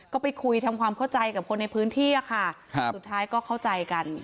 ก็ไปคุยทำความเข้าใจกับคนในพื้นที่ค่ะสุดท้ายก็เข้าใจกัน